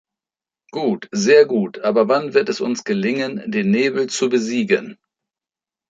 Gut, sehr gut, aber wann wird es uns gelingen, den Nebel zu besiegen?